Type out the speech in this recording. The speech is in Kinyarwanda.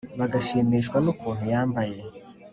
bagashimishwa n’ukuntu yambaye